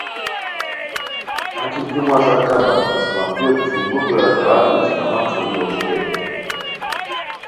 ای جو مس اچہ بد قسمتیوت چھوئی موخیو اݱغال دی اݰکامہ ݯھومی اوبریتائے